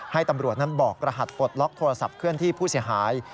ให้ตำรวจนั้นบอกรหัสปลดล็อกโทรศัพท์เคลื่อนที่ผู้เสียหาย